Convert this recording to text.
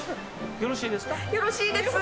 よろしいですぅ。